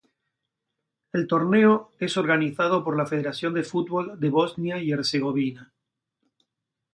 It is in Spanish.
El torneo es organizado por la Federación de Fútbol de Bosnia y Herzegovina.